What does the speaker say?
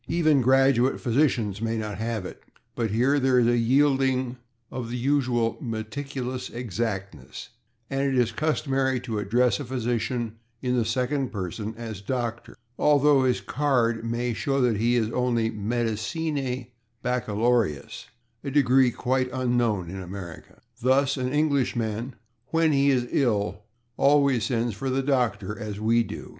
Even graduate physicians may not have it, but here there is a yielding of the usual meticulous exactness, and it is customary to address a physician in the second person as /Doctor/, though his card may show that he is only /Medicinae Baccalaureus/, a degree quite unknown in America. Thus an Englishman, when he is ill, always sends for the /doctor/, as we do.